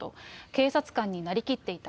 警察官になりきっていた。